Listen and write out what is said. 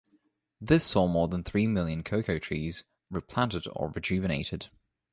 This saw more than three million cocoa trees replanted or rejuvenated.